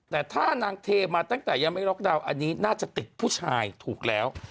แต่ถ้านางเทมาตั้งแต่ยังไม่ล็อกดาวน์อันนี้น่าจะติดผู้ชายถูกแล้ว